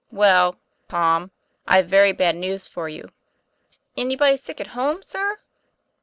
' Well, Tom, I've very bad news for you." "Anybody sick at home, sir?"